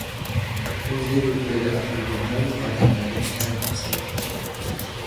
• O‘zga yurtdagi atirguldan, Vatandagi tikan afzal.